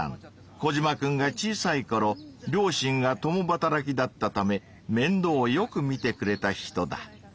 コジマくんが小さいころ両親が共働きだったためめんどうをよくみてくれた人だ。